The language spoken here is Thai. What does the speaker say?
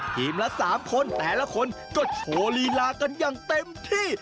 ละ๓คนแต่ละคนก็โชว์ลีลากันอย่างเต็มที่